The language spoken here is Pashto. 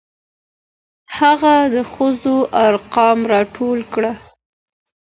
هغه د ښځو ارقام راټول کړل.